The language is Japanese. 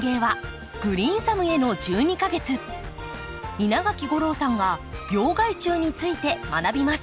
稲垣吾郎さんが病害虫について学びます。